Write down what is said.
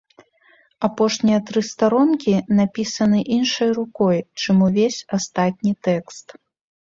Апошнія тры старонкі напісаны іншай рукой, чым увесь астатні тэкст.